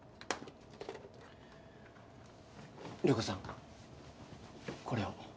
涼子さんこれを。